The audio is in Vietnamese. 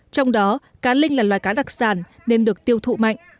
trong đó cá linh là loài cá đặc sản nên được tiêu thụ mạnh